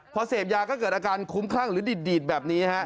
พอเสพยาก็เกิดอาการคุ้มคลั่งหรือดีดแบบนี้ฮะ